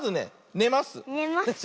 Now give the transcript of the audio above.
ねます。